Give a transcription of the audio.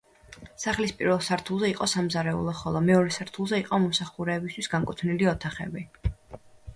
სახლის პირველ სართულზე იყო სამზარეულო, ხოლო მეორე სართულზე იყო მოსამსახურეებისთვის განკუთვნილი ოთახები.